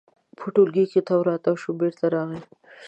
په ټولګي کې تاو راتاو شو، بېرته راغی.